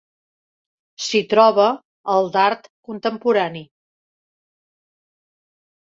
S'hi troba el d'art contemporani.